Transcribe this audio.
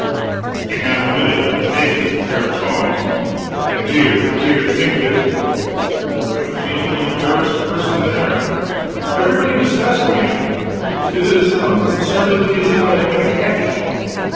In half a minute I was as naked as a pair of tongs! And dear, dear, to think of it: I was the only embarrassed person there. Everybody discussed me; and did it as unconcernedly as if I had been a cabbage.